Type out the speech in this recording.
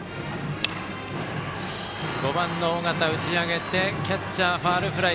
５番の尾形、打ち上げてキャッチャー、ファウルフライ。